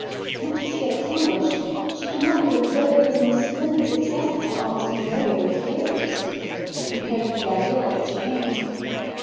Much as he had accomplished, she could not but observe that his most splendid successes were almost invariably failures, if compared with the ideal at which he aimed.